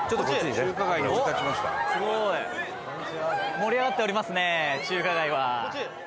盛り上がっておりますね中華街は。